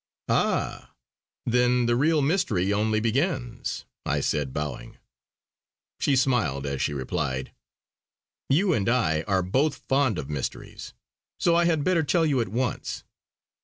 "Ah! then the real mystery only begins!" I said bowing. She smiled as she replied: "You and I are both fond of mysteries. So I had better tell you at once.